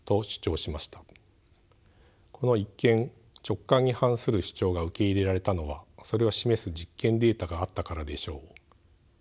この一見直感に反する主張が受け入れられたのはそれを示す実験データがあったからでしょう。